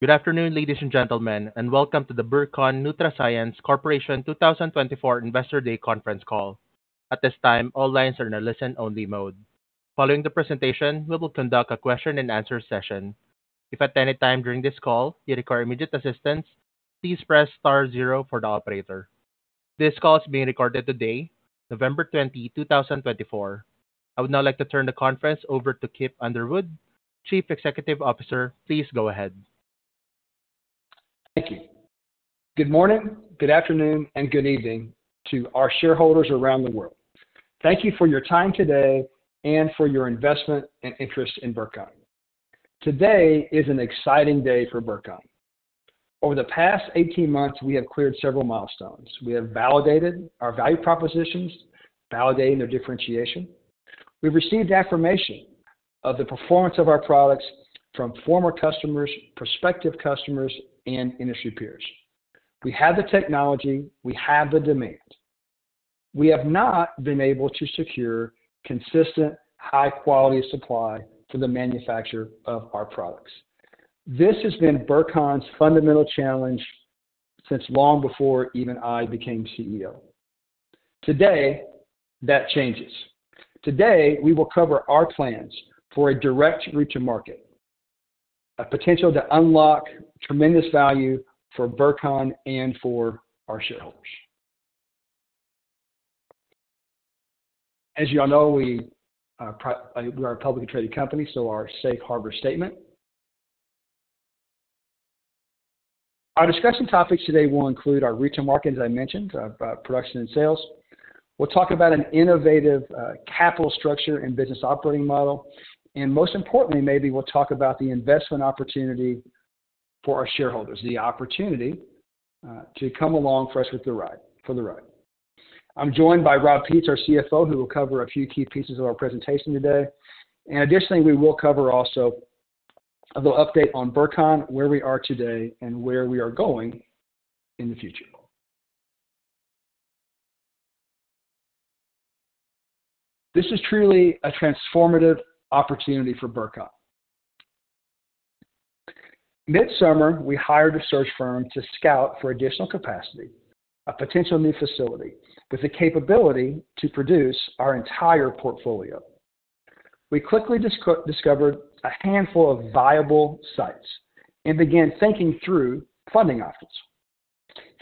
Good afternoon, ladies and gentlemen, and welcome to the Burcon NutraScience Corporation 2024 Investor Day Conference Call. At this time, all lines are in a listen-only mode. Following the presentation, we will conduct a question-and-answer session. If at any time during this call you require immediate assistance, please press star zero for the operator. This call is being recorded today, November 20, 2024. I would now like to turn the conference over to Kip Underwood, Chief Executive Officer. Please go ahead. Thank you. Good morning, good afternoon, and good evening to our shareholders around the world. Thank you for your time today and for your investment and interest in Burcon. Today is an exciting day for Burcon. Over the past 18 months, we have cleared several milestones. We have validated our value propositions, validating their differentiation. We've received affirmation of the performance of our products from former customers, prospective customers, and industry peers. We have the technology. We have the demand. We have not been able to secure consistent, high-quality supply for the manufacturer of our products. This has been Burcon's fundamental challenge since long before even I became CEO. Today, that changes. Today, we will cover our plans for a direct reach of market, a potential to unlock tremendous value for Burcon and for our shareholders. As you all know, we are a publicly traded company, so our Safe Harbor statement. Our discussion topics today will include our reach of market, as I mentioned, production and sales. We'll talk about an innovative capital structure and business operating model. Most importantly, maybe we'll talk about the investment opportunity for our shareholders, the opportunity to come along for us for the ride. I'm joined by Rob Peets, our CFO, who will cover a few key pieces of our presentation today. Additionally, we will cover also a little update on Burcon, where we are today and where we are going in the future. This is truly a transformative opportunity for Burcon. Mid-summer, we hired a search firm to scout for additional capacity, a potential new facility with the capability to produce our entire portfolio. We quickly discovered a handful of viable sites and began thinking through funding options.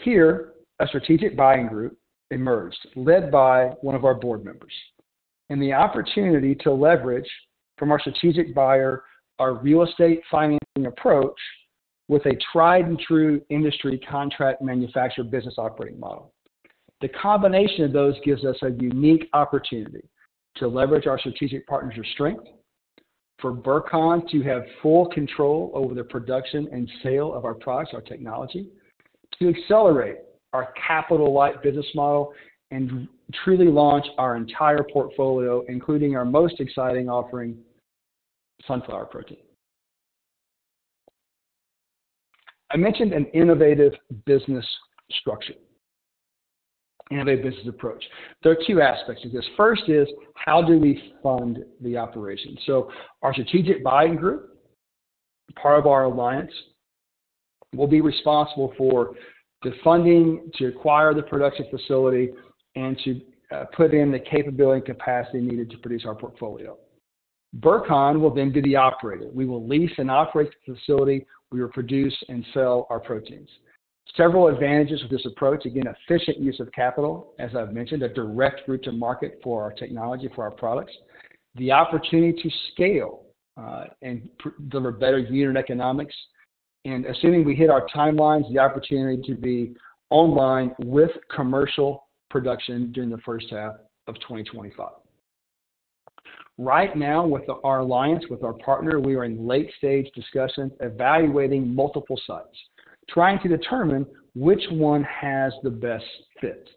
Here, a strategic buying group emerged led by one of our board members and the opportunity to leverage from our strategic buyer our real estate financing approach with a tried-and-true industry contract manufacturer business operating model. The combination of those gives us a unique opportunity to leverage our strategic partners' strength for Burcon to have full control over the production and sale of our products, our technology, to accelerate our capital-light business model and truly launch our entire portfolio, including our most exciting offering, sunflower protein. I mentioned an innovative business structure, innovative business approach. There are two aspects to this. First is how do we fund the operation? So our strategic buying group, part of our alliance, will be responsible for the funding to acquire the production facility and to put in the capability and capacity needed to produce our portfolio. Burcon will then be the operator. We will lease and operate the facility. We will produce and sell our proteins. Several advantages with this approach, again, efficient use of capital, as I've mentioned, a direct route to market for our technology, for our products, the opportunity to scale and deliver better unit economics. And assuming we hit our timelines, the opportunity to be online with commercial production during the first half of 2025. Right now, with our alliance, with our partner, we are in late-stage discussions, evaluating multiple sites, trying to determine which one has the best fit.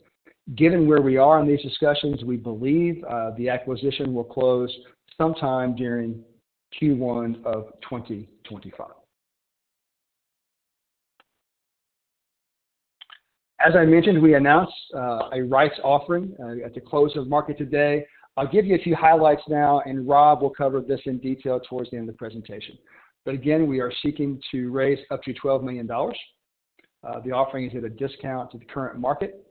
Given where we are in these discussions, we believe the acquisition will close sometime during Q1 of 2025. As I mentioned, we announced a rights offering at the close of market today. I'll give you a few highlights now, and Rob will cover this in detail towards the end of the presentation. But again, we are seeking to raise up to 12 million dollars. The offering is at a discount to the current market.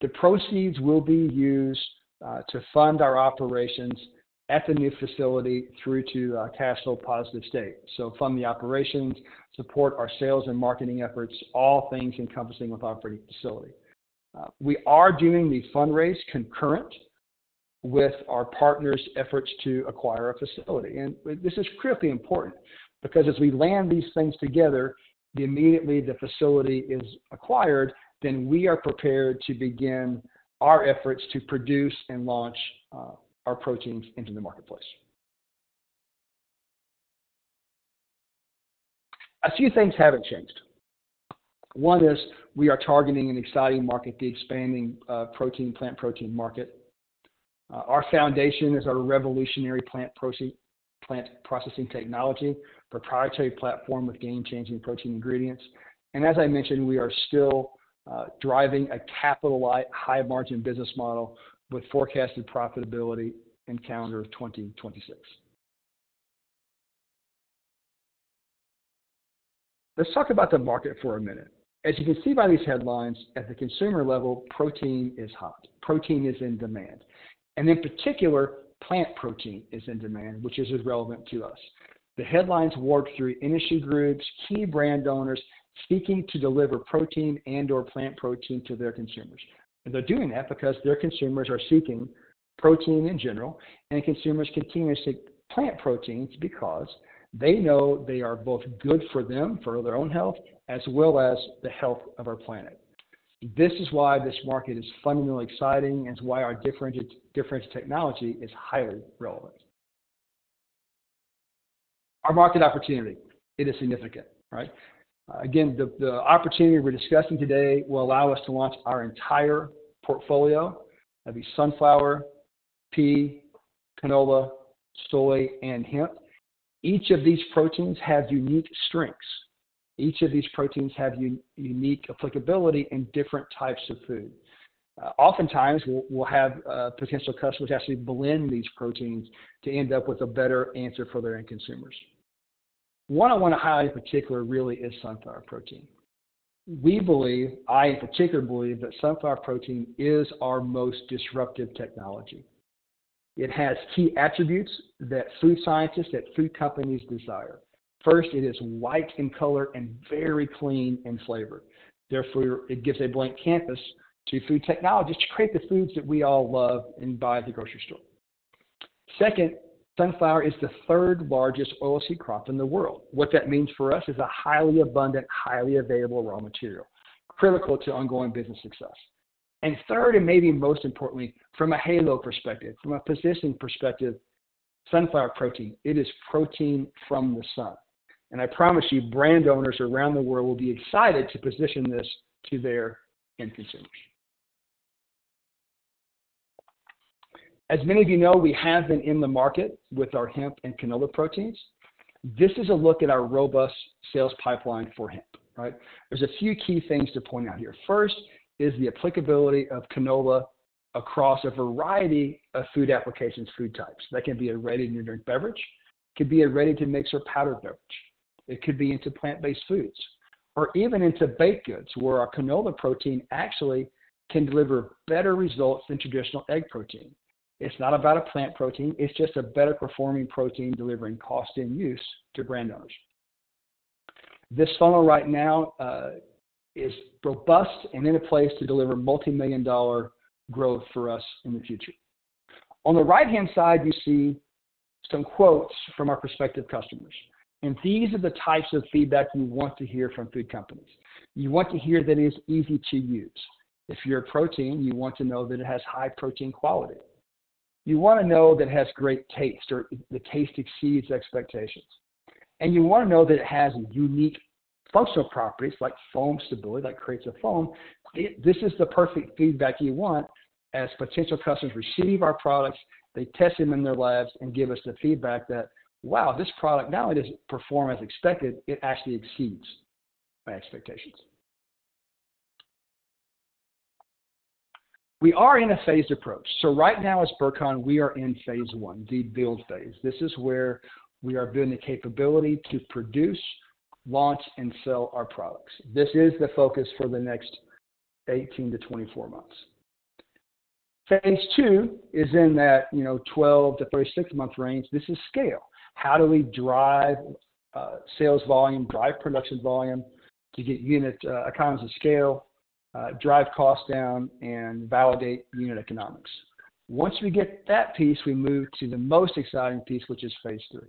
The proceeds will be used to fund our operations at the new facility through to cash flow positive state. So fund the operations, support our sales and marketing efforts, all things encompassing with our facility. We are doing the fundraise concurrent with our partner's efforts to acquire a facility. And this is critically important because as we land these things together, immediately the facility is acquired, then we are prepared to begin our efforts to produce and launch our proteins into the marketplace. A few things haven't changed. One is we are targeting an exciting market, the expanding plant protein market. Our foundation is our revolutionary plant processing technology, proprietary platform with game-changing protein ingredients. And as I mentioned, we are still driving a capital-light, high-margin business model with forecasted profitability in calendar 2026. Let's talk about the market for a minute. As you can see by these headlines, at the consumer level, protein is hot. Protein is in demand. And in particular, plant protein is in demand, which is as relevant to us. The headlines work through industry groups, key brand owners seeking to deliver protein and/or plant protein to their consumers. And they're doing that because their consumers are seeking protein in general, and consumers continue to seek plant proteins because they know they are both good for them, for their own health, as well as the health of our planet. This is why this market is fundamentally exciting, and it's why our different technology is highly relevant. Our market opportunity, it is significant, right? Again, the opportunity we're discussing today will allow us to launch our entire portfolio of sunflower, pea, canola, soy, and hemp. Each of these proteins has unique strengths. Each of these proteins has unique applicability in different types of food. Oftentimes, we'll have potential customers actually blend these proteins to end up with a better answer for their end consumers. What I want to highlight in particular really is sunflower protein. We believe, I in particular believe, that sunflower protein is our most disruptive technology. It has key attributes that food scientists, that food companies desire. First, it is white in color and very clean in flavor. Therefore, it gives a blank canvas to food technologists to create the foods that we all love and buy at the grocery store. Second, sunflower is the third largest oilseed crop in the world. What that means for us is a highly abundant, highly available raw material, critical to ongoing business success. And third, and maybe most importantly, from a halo perspective, from a position perspective, sunflower protein, it is protein from the sun. And I promise you, brand owners around the world will be excited to position this to their end consumers. As many of you know, we have been in the market with our hemp and canola proteins. This is a look at our robust sales pipeline for hemp, right? There's a few key things to point out here. First is the applicability of canola across a variety of food applications, food types. That can be a ready-to-drink beverage. It could be a ready-to-mix or powdered beverage. It could be into plant-based foods or even into baked goods where our canola protein actually can deliver better results than traditional egg protein. It's not about a plant protein. It's just a better-performing protein delivering cost and use to brand owners. This funnel right now is robust and in a place to deliver multi-million dollar growth for us in the future. On the right-hand side, you see some quotes from our prospective customers. These are the types of feedback you want to hear from food companies. You want to hear that it is easy to use. If you're a protein, you want to know that it has high protein quality. You want to know that it has great taste or the taste exceeds expectations. And you want to know that it has unique functional properties like foam stability that creates a foam. This is the perfect feedback you want as potential customers receive our products. They test them in their labs and give us the feedback that, wow, this product not only does it perform as expected, it actually exceeds my expectations. We are in a phased approach. So right now, as Burcon, we are in phase I, the build phase. This is where we are building the capability to produce, launch, and sell our products. This is the focus for the next 18-24 months. Phase II is in that 12-36-month range. This is scale. How do we drive sales volume, drive production volume to get unit economies of scale, drive costs down, and validate unit economics? Once we get that piece, we move to the most exciting piece, which is phase III.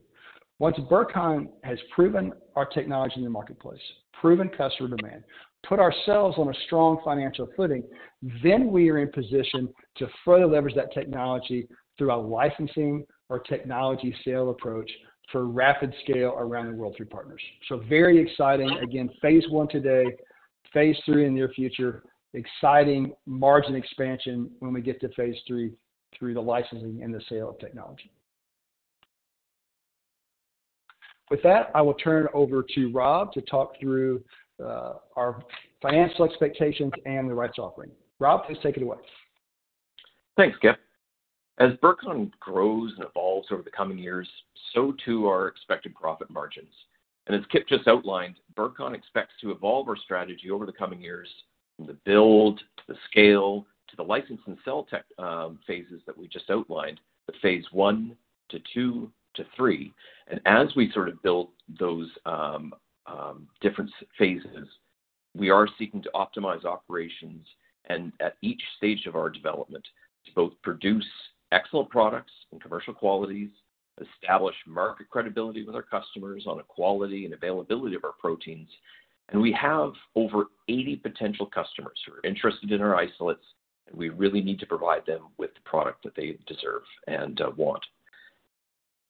Once Burcon has proven our technology in the marketplace, proven customer demand, put ourselves on a strong financial footing, then we are in position to further leverage that technology through our licensing or technology sale approach for rapid scale around the world through partners. So very exciting. Again, phase I today, phase III in the near future, exciting margin expansion when we get to phase III through the licensing and the sale of technology. With that, I will turn it over to Rob to talk through our financial expectations and the rights offering. Rob, please take it away. Thanks, Kip. As Burcon grows and evolves over the coming years, so too are expected profit margins, and as Kip just outlined, Burcon expects to evolve our strategy over the coming years from the build to the scale to the license and sell phases that we just outlined, the phase I to II to III, and as we sort of build those different phases, we are seeking to optimize operations at each stage of our development to both produce excellent products and commercial qualities, establish market credibility with our customers on the quality and availability of our proteins, and we have over 80 potential customers who are interested in our isolates, and we really need to provide them with the product that they deserve and want.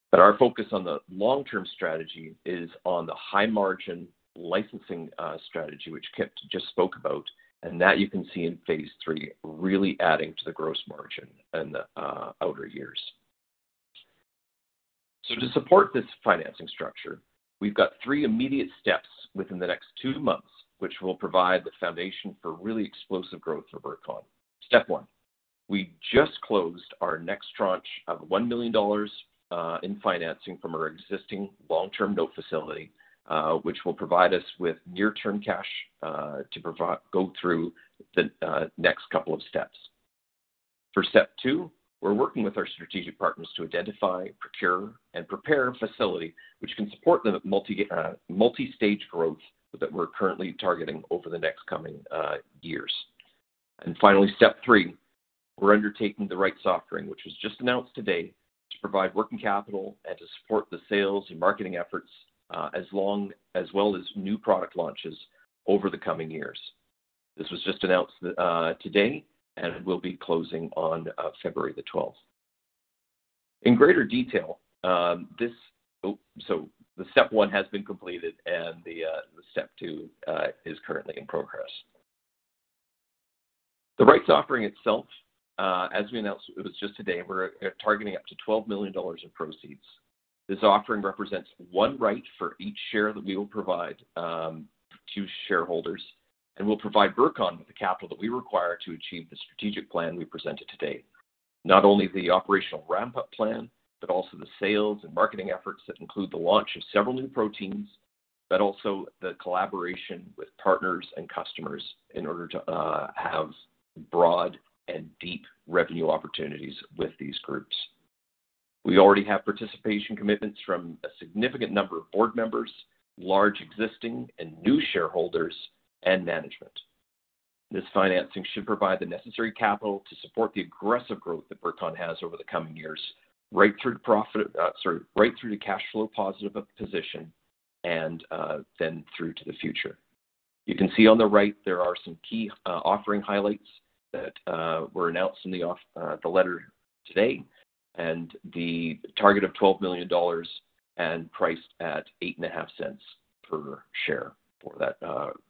But our focus on the long-term strategy is on the high-margin licensing strategy, which Kip just spoke about, and that you can see in phase III, really adding to the gross margin in the outer years. So to support this financing structure, we've got three immediate steps within the next two months, which will provide the foundation for really explosive growth for Burcon. Step one, we just closed our next tranche of 1 million dollars in financing from our existing long-term note facility, which will provide us with near-term cash to go through the next couple of steps. For step two, we're working with our strategic partners to identify, procure, and prepare a facility which can support the multi-stage growth that we're currently targeting over the next coming years. Finally, step three, we're undertaking the rights offering, which was just announced today, to provide working capital and to support the sales and marketing efforts as well as new product launches over the coming years. This was just announced today, and we'll be closing on February the 12th. In greater detail, so the step one has been completed, and the step two is currently in progress. The rights offering itself, as we announced it was just today, we're targeting up to 12 million dollars in proceeds. This offering represents one right for each share that we will provide to shareholders, and we'll provide Burcon with the capital that we require to achieve the strategic plan we presented today. Not only the operational ramp-up plan, but also the sales and marketing efforts that include the launch of several new proteins, but also the collaboration with partners and customers in order to have broad and deep revenue opportunities with these groups. We already have participation commitments from a significant number of board members, large existing and new shareholders, and management. This financing should provide the necessary capital to support the aggressive growth that Burcon has over the coming years, right through the cash flow positive position, and then through to the future. You can see on the right, there are some key offering highlights that were announced in the letter today, and the target of 12 million dollars and priced at 0.085 per share for that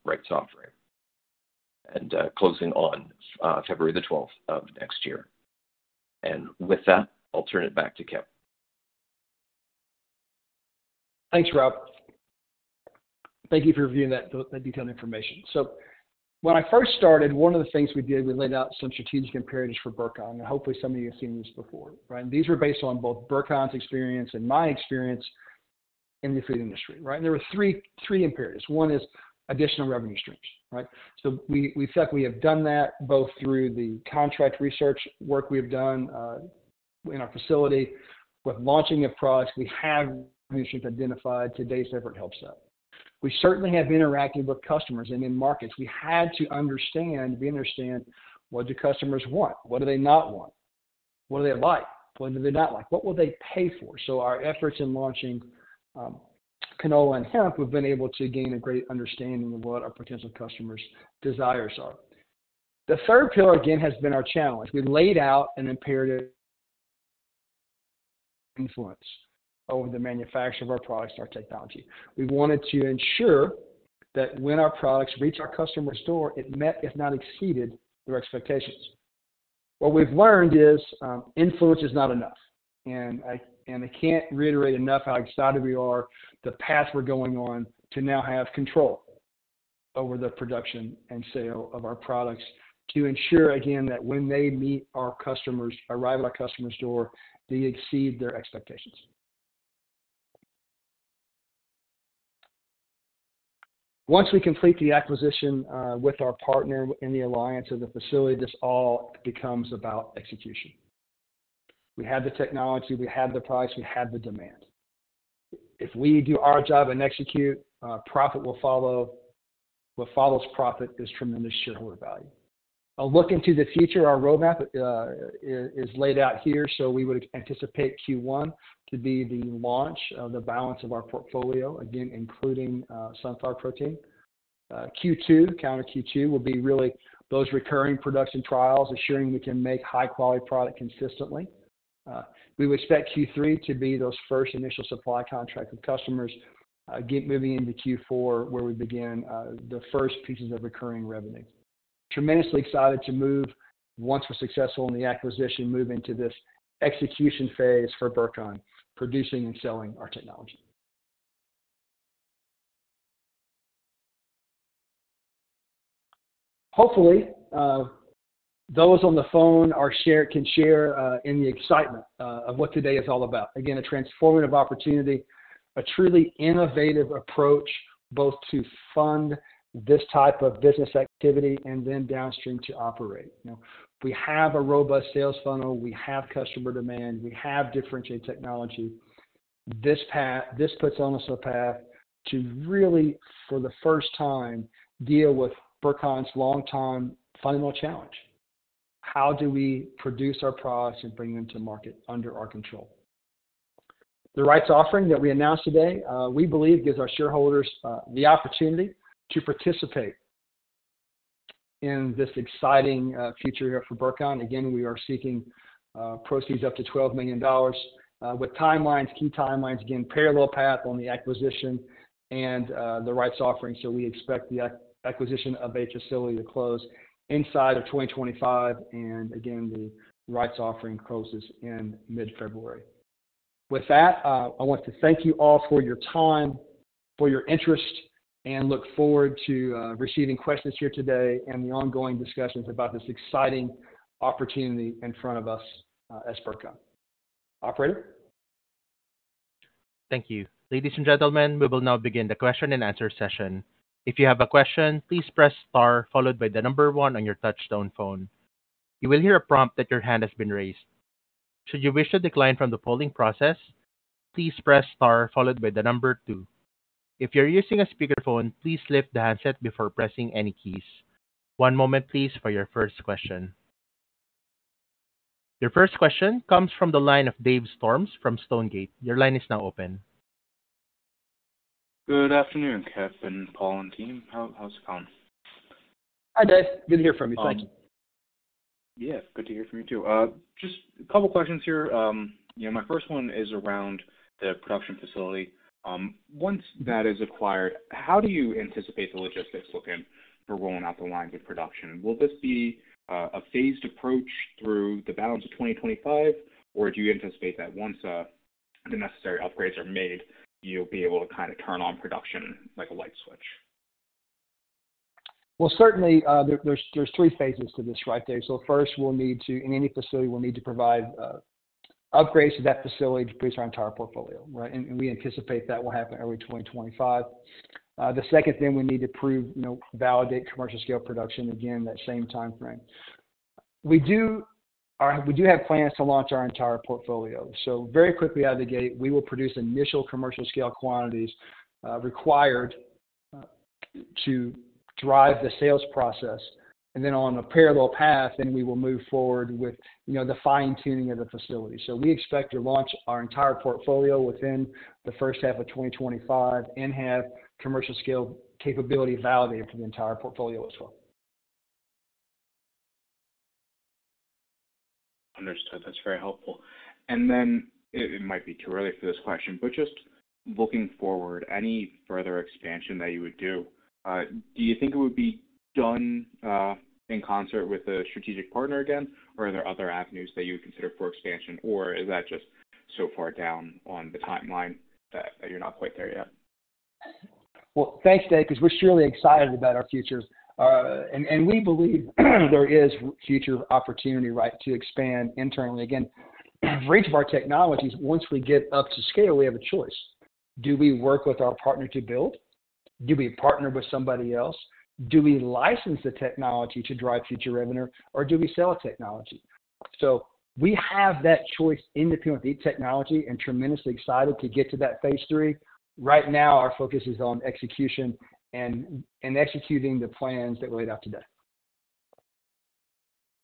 rights offering, and closing on February the 12th of next year. And with that, I'll turn it back to Kip. Thanks, Rob. Thank you for reviewing that detailed information, so when I first started, one of the things we did, we laid out some strategic imperatives for Burcon, and hopefully some of you have seen this before, right, and these were based on both Burcon's experience and my experience in the food industry, right, and there were three imperatives. One is additional revenue streams, right, so we felt we have done that both through the contract research work we have done in our facility with launching of products. We have revenue streams identified today. Day-to-day effort helps that. We certainly have interacted with customers and in markets. We had to understand, we understand what do customers want? What do they not want? What do they like? What do they not like? What will they pay for? Our efforts in launching canola and hemp, we've been able to gain a great understanding of what our potential customers' desires are. The third pillar, again, has been our challenge. We laid out an imperative influence over the manufacture of our products and our technology. We wanted to ensure that when our products reach our customer's door, it met, if not exceeded, their expectations. What we've learned is influence is not enough. I can't reiterate enough how excited we are the path we're going on to now have control over the production and sale of our products to ensure, again, that when they meet our customers, arrive at our customer's door, they exceed their expectations. Once we complete the acquisition with our partner in the alliance of the facility, this all becomes about execution. We have the technology. We have the price. We have the demand. If we do our job and execute, profit will follow. What follows profit is tremendous shareholder value. A look into the future, our roadmap is laid out here. So we would anticipate Q1 to be the launch of the balance of our portfolio, again, including sunflower protein. Q2, calendar Q2, will be really those recurring production trials, assuring we can make high-quality product consistently. We would expect Q3 to be those first initial supply contracts with customers, moving into Q4 where we begin the first pieces of recurring revenue. Tremendously excited to move, once we're successful in the acquisition, move into this execution phase for Burcon, producing and selling our technology. Hopefully, those on the phone can share in the excitement of what today is all about. Again, a transformative opportunity, a truly innovative approach both to fund this type of business activity and then downstream to operate. We have a robust sales funnel. We have customer demand. We have differentiated technology. This puts on us a path to really, for the first time, deal with Burcon's long-time fundamental challenge. How do we produce our products and bring them to market under our control? The rights offering that we announced today, we believe, gives our shareholders the opportunity to participate in this exciting future here for Burcon. Again, we are seeking proceeds up to 12 million dollars with key timelines. Again, parallel path on the acquisition and the rights offering. So we expect the acquisition of a facility to close inside of 2025. And again, the rights offering closes in mid-February. With that, I want to thank you all for your time, for your interest, and look forward to receiving questions here today and the ongoing discussions about this exciting opportunity in front of us as Burcon. Operator. Thank you. Ladies and gentlemen, we will now begin the question and answer session. If you have a question, please press star followed by the number one on your touch-tone phone. You will hear a prompt that your hand has been raised. Should you wish to decline from the polling process, please press star followed by the number two. If you're using a speakerphone, please lift the handset before pressing any keys. One moment, please, for your first question. Your first question comes from the line of Dave Storms from Stonegate. Your line is now open. Good afternoon, Kip and Paul and team. How's it going? Hi, Dave. Good to hear from you. Thank you. Yeah, good to hear from you too. Just a couple of questions here. My first one is around the production facility. Once that is acquired, how do you anticipate the logistics looking for rolling out the lines of production? Will this be a phased approach through the balance of 2025, or do you anticipate that once the necessary upgrades are made, you'll be able to kind of turn on production like a light switch? Well, certainly, there's three phases to this right there. So first, in any facility, we'll need to provide upgrades to that facility to produce our entire portfolio, right? And we anticipate that will happen early 2025. The second thing we need to validate commercial scale production, again, that same timeframe. We do have plans to launch our entire portfolio. So very quickly out of the gate, we will produce initial commercial scale quantities required to drive the sales process. And then on a parallel path, then we will move forward with the fine-tuning of the facility. So we expect to launch our entire portfolio within the first half of 2025 and have commercial scale capability validated for the entire portfolio as well. Understood. That's very helpful. And then it might be too early for this question, but just looking forward, any further expansion that you would do, do you think it would be done in concert with a strategic partner again, or are there other avenues that you would consider for expansion, or is that just so far down on the timeline that you're not quite there yet? Thanks, Dave, because we're surely excited about our futures. We believe there is future opportunity, right, to expand internally. Again, for each of our technologies, once we get up to scale, we have a choice. Do we work with our partner to build? Do we partner with somebody else? Do we license the technology to drive future revenue, or do we sell a technology? So we have that choice independently of the technology and are tremendously excited to get to that phase three. Right now, our focus is on execution and executing the plans that we laid out today.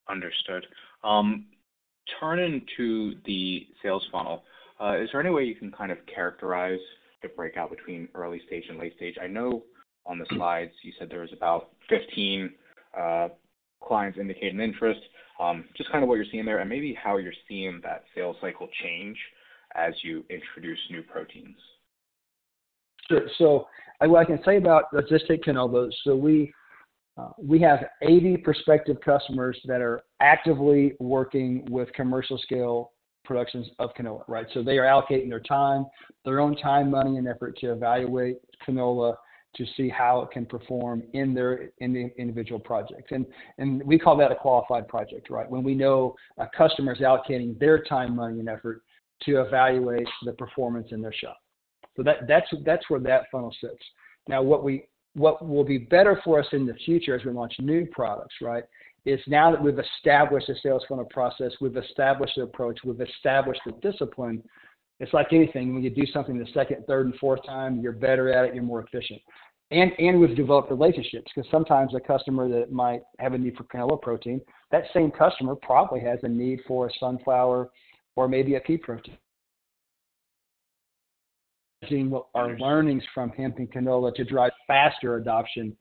Understood. Turning to the sales funnel, is there any way you can kind of characterize the breakout between early stage and late stage? I know on the slides, you said there was about 15 clients indicating interest. Just kind of what you're seeing there and maybe how you're seeing that sales cycle change as you introduce new proteins? Sure. So what I can say about logistics, canola, so we have 80 prospective customers that are actively working with commercial scale productions of canola, right? So they are allocating their time, their own time, money, and effort to evaluate canola to see how it can perform in the individual projects. And we call that a qualified project, right? When we know a customer is allocating their time, money, and effort to evaluate the performance in their shop. So that's where that funnel sits. Now, what will be better for us in the future as we launch new products, right, is now that we've established a sales funnel process, we've established the approach, we've established the discipline, it's like anything. When you do something the second, third, and fourth time, you're better at it, you're more efficient. And we've developed relationships because sometimes a customer that might have a need for canola protein, that same customer probably has a need for a sunflower or maybe a pea protein. Our learnings from hemp and canola to drive faster adoption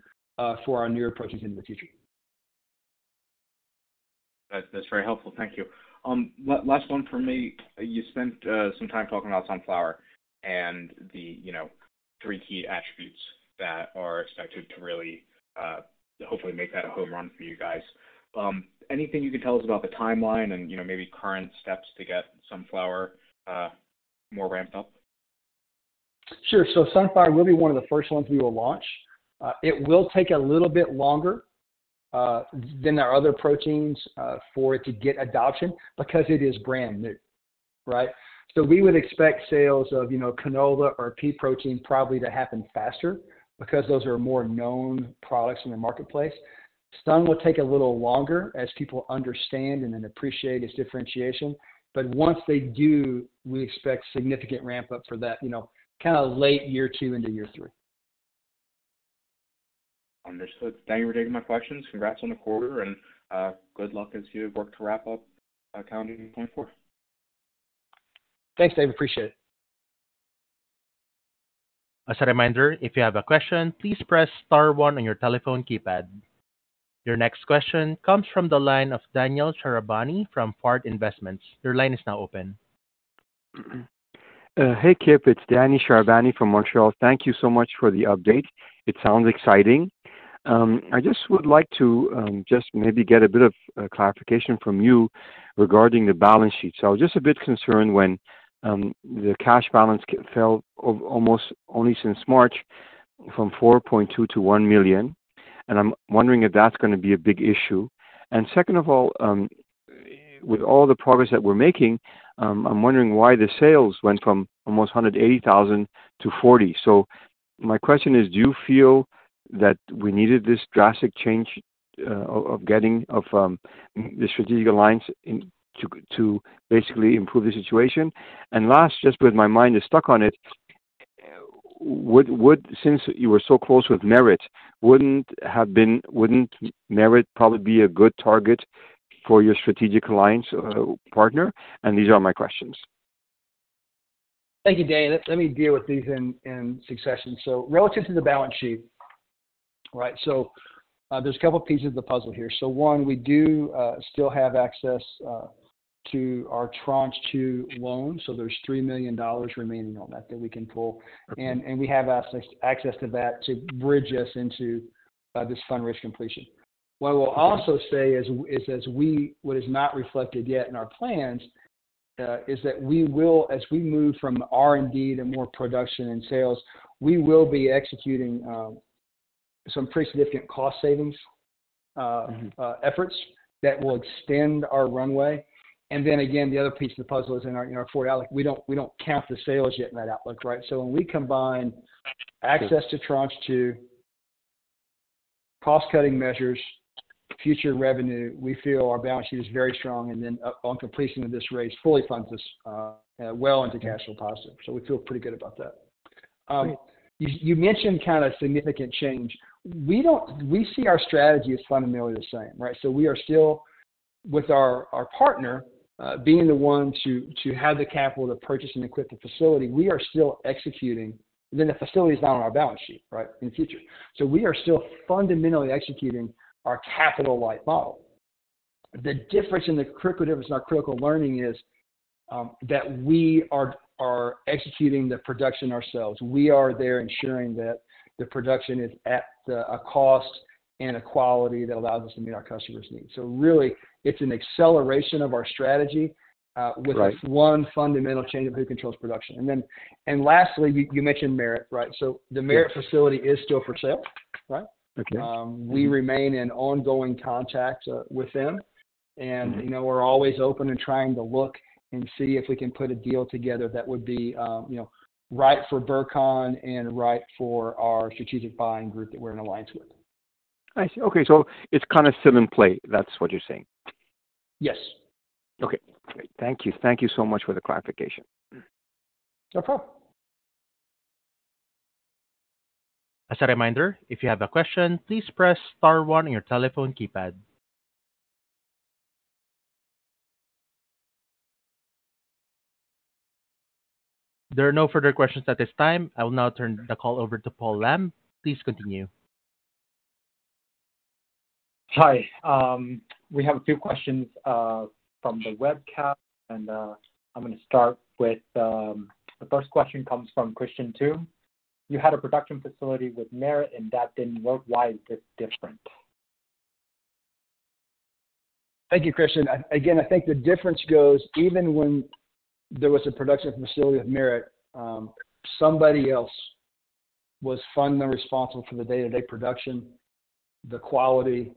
for our newer proteins in the future. That's very helpful. Thank you. Last one for me. You spent some time talking about sunflower and the three key attributes that are expected to really hopefully make that a home run for you guys. Anything you can tell us about the timeline and maybe current steps to get sunflower more ramped up? Sure. So sunflower will be one of the first ones we will launch. It will take a little bit longer than our other proteins for it to get adoption because it is brand new, right? So we would expect sales of canola or pea protein probably to happen faster because those are more known products in the marketplace. Sun will take a little longer as people understand and then appreciate its differentiation. But once they do, we expect significant ramp-up for that kind of late year two into year three. Understood. Thank you for taking my questions. Congrats on the quarter and good luck as you work to wrap up calendar 2024. Thanks, Dave. Appreciate it. As a reminder, if you have a question, please press star one on your telephone keypad. Your next question comes from the line of Daniel Shahrabani from Fard Investments. Your line is now open. Hey, Kip. It's Daniel Shahrabani from Montreal. Thank you so much for the update. It sounds exciting. I just would like to just maybe get a bit of clarification from you regarding the balance sheet. So I was just a bit concerned when the cash balance fell almost only since March from 4.2 million to 1 million. And I'm wondering if that's going to be a big issue. And second of all, with all the progress that we're making, I'm wondering why the sales went from almost 180,000 to 40,000. So my question is, do you feel that we needed this drastic change of getting the strategic alliance to basically improve the situation? And last, just with my mind is stuck on it, since you were so close with Merit, wouldn't Merit probably be a good target for your strategic alliance partner? And these are my questions. Thank you, Daniel. Let me deal with these in succession. So relative to the balance sheet, right? So there's a couple of pieces of the puzzle here. So one, we do still have access to our tranche two loan. So there's 3 million dollars remaining on that that we can pull. And we have access to that to bridge us into this fundraiser completion. What I will also say is what is not reflected yet in our plans is that as we move from R&D to more production and sales, we will be executing some pretty significant cost savings efforts that will extend our runway. And then again, the other piece of the puzzle is in our forward outlook. We don't count the sales yet in that outlook, right? So when we combine access to tranche two, cost-cutting measures, future revenue, we feel our balance sheet is very strong. And then on completion of this raise, fully funds us well into cash flow positive. So we feel pretty good about that. You mentioned kind of significant change. We see our strategy as fundamentally the same, right? So we are still, with our partner being the one to have the capital to purchase and equip the facility, we are still executing. Then the facility is not on our balance sheet, right, in the future. So we are still fundamentally executing our capital-light model. The critical difference in our critical learning is that we are executing the production ourselves. We are there ensuring that the production is at a cost and a quality that allows us to meet our customers' needs. So really, it's an acceleration of our strategy with one fundamental change of who controls production. And lastly, you mentioned Merit, right? So the Merit facility is still for sale, right? We remain in ongoing contact with them. And we're always open and trying to look and see if we can put a deal together that would be right for Burcon and right for our strategic buying group that we're in alliance with. I see. Okay. So it's kind of selling point. That's what you're saying. Yes. Okay. Thank you. Thank you so much for the clarification. No problem. As a reminder, if you have a question, please press star one on your telephone keypad. There are no further questions at this time. I will now turn the call over to Paul Lam. Please continue. Hi. We have a few questions from the webcam. I'm going to start with the first question comes from Christian Thumm. You had a production facility with Merit, and that didn't work. Why is this different? Thank you, Christian. Again, I think the difference goes even when there was a production facility with Merit, somebody else was funded and responsible for the day-to-day production, the quality,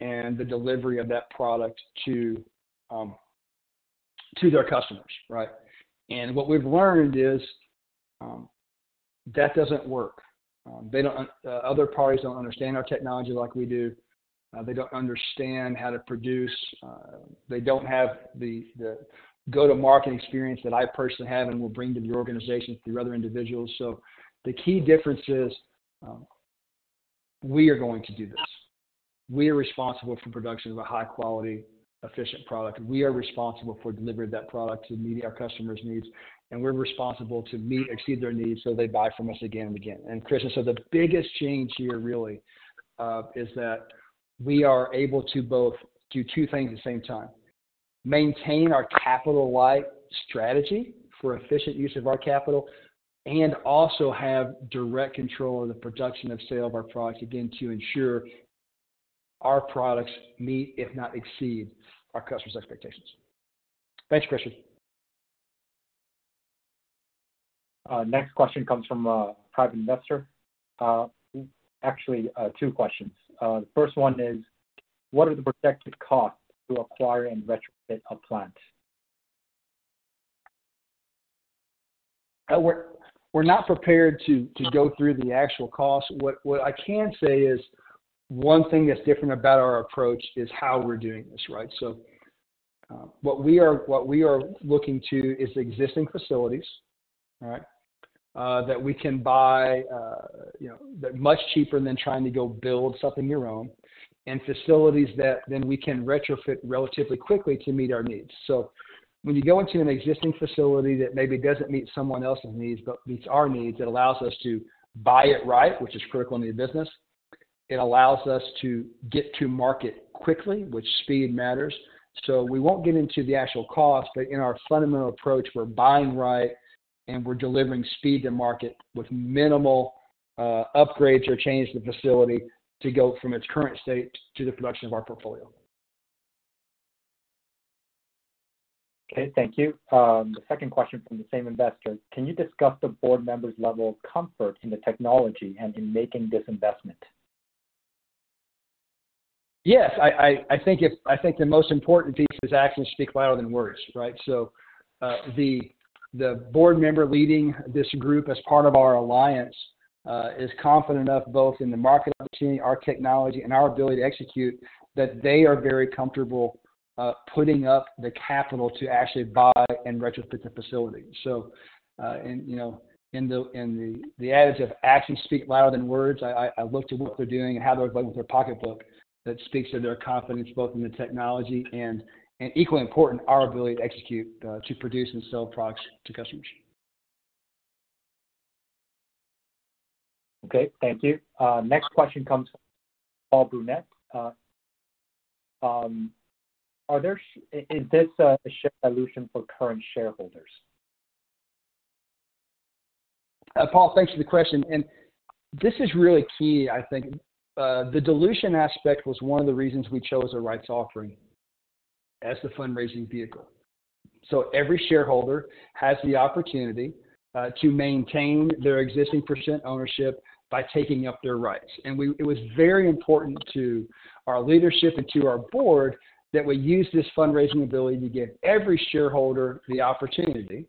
and the delivery of that product to their customers, right? And what we've learned is that doesn't work. Other parties don't understand our technology like we do. They don't understand how to produce. They don't have the go-to-market experience that I personally have and will bring to the organization through other individuals. So the key difference is we are going to do this. We are responsible for production of a high-quality, efficient product. We are responsible for delivering that product to meet our customers' needs. And we're responsible to meet and exceed their needs so they buy from us again and again. And Christian, so the biggest change here really is that we are able to both do two things at the same time: maintain our capital-light strategy for efficient use of our capital, and also have direct control of the production and sale of our product, again, to ensure our products meet, if not exceed, our customers' expectations. Thanks, Christian. Next question comes from a private investor. Actually, two questions. The first one is, what are the projected costs to acquire and retrofit a plant? We're not prepared to go through the actual cost. What I can say is one thing that's different about our approach is how we're doing this, right? So what we are looking to is existing facilities, right, that we can buy much cheaper than trying to go build something of your own, and facilities that then we can retrofit relatively quickly to meet our needs. So when you go into an existing facility that maybe doesn't meet someone else's needs, but meets our needs, it allows us to buy it right, which is critical in the business. It allows us to get to market quickly, which speed matters. So we won't get into the actual cost, but in our fundamental approach, we're buying right, and we're delivering speed to market with minimal upgrades or changes to the facility to go from its current state to the production of our portfolio. Okay. Thank you. The second question from the same investor. Can you discuss the board members' level of comfort in the technology and in making this investment? Yes. I think the most important piece is actions speak louder than words, right? So the board member leading this group as part of our alliance is confident enough both in the market opportunity, our technology, and our ability to execute that they are very comfortable putting up the capital to actually buy and retrofit the facility. So in the adage of actions speak louder than words, I look to what they're doing and how they're going with their pocketbook. That speaks to their confidence both in the technology and, equally important, our ability to execute, to produce and sell products to customers. Okay. Thank you. Next question comes from Paul Brunet. Is this a share dilution for current shareholders? Paul, thanks for the question. And this is really key, I think. The dilution aspect was one of the reasons we chose a rights offering as the fundraising vehicle. So every shareholder has the opportunity to maintain their existing percentage ownership by taking up their rights. And it was very important to our leadership and to our board that we use this fundraising ability to give every shareholder the opportunity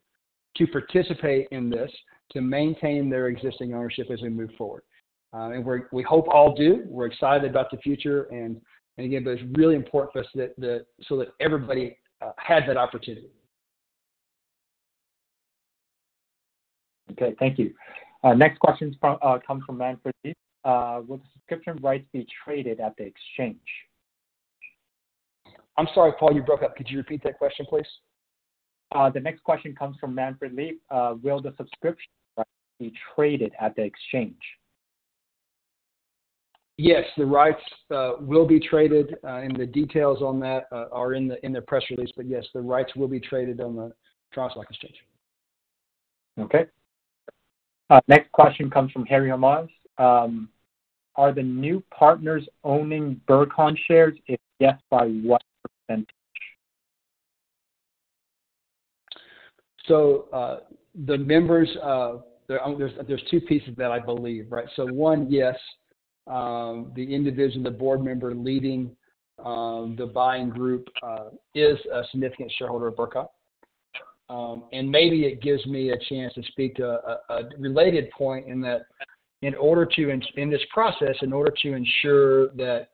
to participate in this, to maintain their existing ownership as we move forward. And we hope all do. We're excited about the future. And again, but it's really important for us so that everybody has that opportunity. Okay. Thank you. Next question comes from Manfred Lee. Will the subscription rights be traded at the exchange? I'm sorry, Paul, you broke up. Could you repeat that question, please? The next question comes from Manfred Lee. Will the subscription rights be traded at the exchange? Yes. The rights will be traded. And the details on that are in the press release. But yes, the rights will be traded on the TSX exchange. Okay. Next question comes from Harry Almaz. Are the new partners owning Burcon shares? If yes, by what percent? So the members, there's two pieces that I believe, right? So one, yes, the individual, the board member leading the buying group is a significant shareholder of Burcon. And maybe it gives me a chance to speak to a related point in that in order to, in this process, in order to ensure that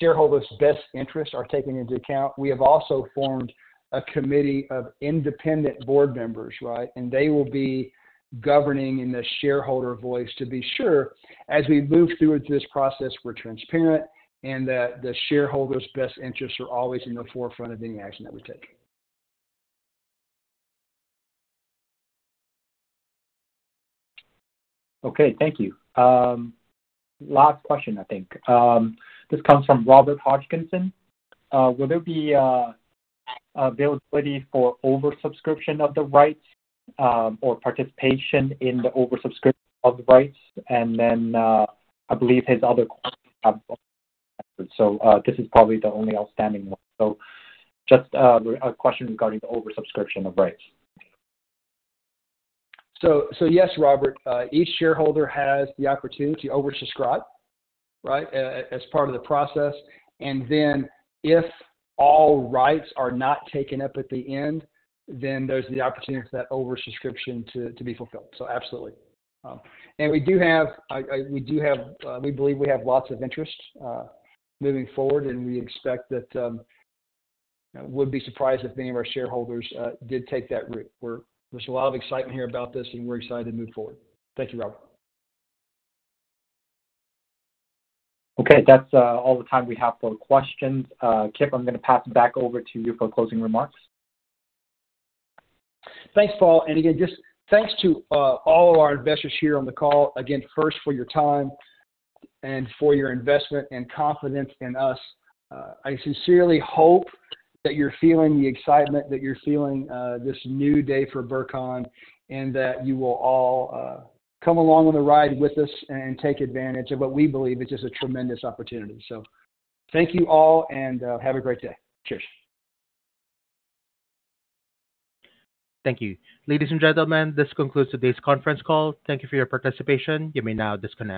shareholders' best interests are taken into account, we have also formed a committee of independent board members, right? And they will be governing in the shareholder voice to be sure as we move through this process, we're transparent and that the shareholders' best interests are always in the forefront of any action that we take. Okay. Thank you. Last question, I think. This comes from Robert Hodgkinson. Will there be availability for oversubscription of the rights or participation in the oversubscription of the rights? And then I believe his other questions have answered. So this is probably the only outstanding one. So just a question regarding the oversubscription of rights. So yes, Robert, each shareholder has the opportunity to oversubscribe, right, as part of the process. And then if all rights are not taken up at the end, then there's the opportunity for that oversubscription to be fulfilled. So absolutely. And we do have, we believe, lots of interest moving forward. And we expect that we would be surprised if any of our shareholders did take that route. There's a lot of excitement here about this, and we're excited to move forward. Thank you, Robert. Okay. That's all the time we have for questions. Kip, I'm going to pass it back over to you for closing remarks. Thanks, Paul. And again, just thanks to all of our investors here on the call. Again, first, for your time and for your investment and confidence in us. I sincerely hope that you're feeling the excitement that you're feeling this new day for Burcon and that you will all come along on the ride with us and take advantage of what we believe is just a tremendous opportunity. So thank you all, and have a great day. Cheers. Thank you. Ladies and gentlemen, this concludes today's conference call. Thank you for your participation. You may now disconnect.